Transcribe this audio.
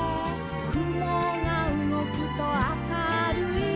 「くもがうごくと明るい」